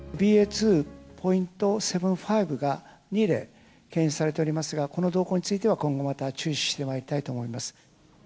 ＢＡ．２．７５が２例、検出されておりますが、この動向については、今後また注視してまいりたいと思います。